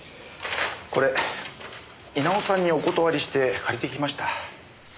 これ稲尾さんにお断りして借りてきました。